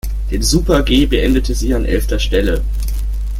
Den Super-G beendete sie an elfter Stelle.